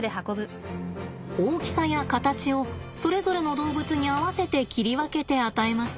大きさや形をそれぞれの動物に合わせて切り分けて与えます。